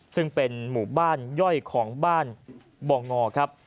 ซึ่งเป็นหมู่บ้านย่อยของบ้านบ่องอครับ